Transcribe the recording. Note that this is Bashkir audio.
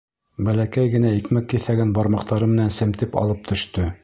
Бәләкәй генә икмәк киҫәген бармаҡтары менән семтеп алып төштө.